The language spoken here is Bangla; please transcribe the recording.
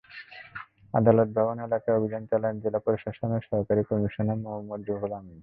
আদালত ভবন এলাকায় অভিযান চালান জেলা প্রশাসনের সহকারী কমিশনার মোহাম্মদ রুহুল আমিন।